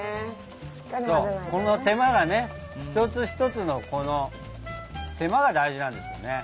この手間がねひとつひとつのこの手間が大事なんですよね。